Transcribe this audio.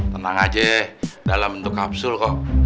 tenang aja dalam bentuk kapsul kok